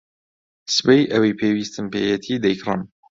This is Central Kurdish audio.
سبەی ئەوەی پێویستم پێیەتی دەیکڕم.